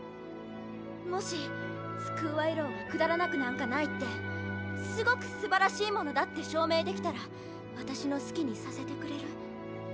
もしスクールアイドルがくだらなくなんかないってすごくすばらしいものだって証明できたら私の好きにさせてくれる？